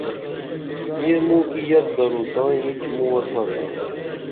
یہ موں کی یت درو تائی اینچ مُوہ تھاتا